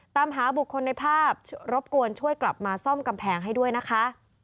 ตามหาบุคคลในภาพรบกวนช่วยกลับมาซ่อมกำแพงให้ด้วยนะคะ